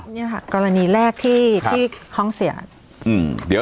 เนี่ยค่ะกรณีแรกที่ห้องเสีย